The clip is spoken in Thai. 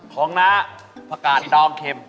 ของน้าประกาศดองเข็ม